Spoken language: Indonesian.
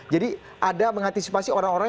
jadi ada mengantisipasi orang orang